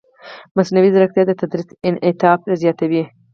مصنوعي ځیرکتیا د تدریس انعطاف زیاتوي.